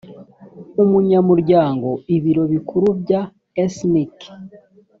umunyamuryango ibiro bikuru bya snic